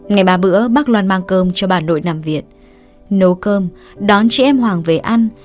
ngày ba bữa bác loan mang cơm cho bà nội nằm viện nấu cơm đón chị em hoàng về ăn